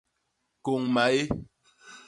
Kôñ maé.